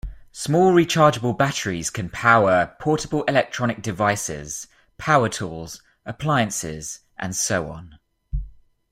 Small rechargeable batteries can power portable electronic devices, power tools, appliances, and so on.